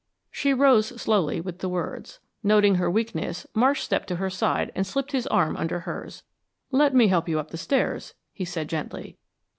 She rose slowly with the words. Noting her weakness, Marsh stepped to her side and slipped his arm under hers. "Let me help you up the stairs," he said, gently.